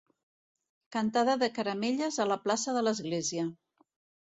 Cantada de caramelles a la plaça de l'església.